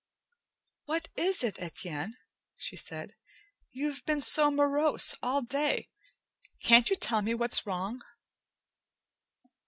"What is it, Etienne?" she said. "You've been so morose all day. Can't you tell me what's wrong?"